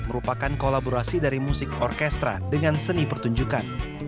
merupakan kolaborasi dari musik orkestra dengan seni pertunjukan